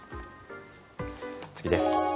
次です。